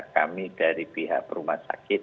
kami dari pihak rumah sakit